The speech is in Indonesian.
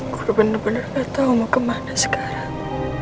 saya benar benar tidak tahu mau kemana sekarang